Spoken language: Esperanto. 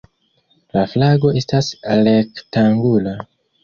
La flago estas rektangula.